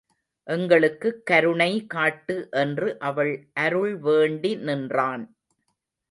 எங்களுக்குக் கருணை காட்டு என்று அவள் அருள் வேண்டி நின்றான்.